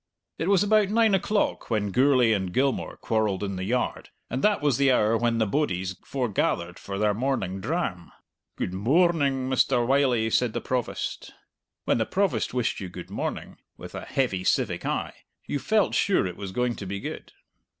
It was about nine o'clock when Gourlay and Gilmour quarrelled in the yard, and that was the hour when the bodies forgathered for their morning dram. "Good moarning, Mr. Wylie!" said the Provost. When the Provost wished you good morning, with a heavy civic eye, you felt sure it was going to be good.